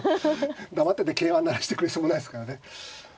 黙ってて桂馬成らしてくれそうもないですからね。